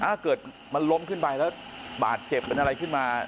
เพราะเกิดว่ามันล่มขึ้นไปแล้วบาดเจ็บบันอะไรขึ้นมา